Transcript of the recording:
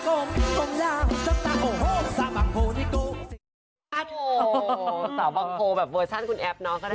โอ้โหสาวบางโพแบบเวอร์ชันคุณแอฟเนาะก็ได้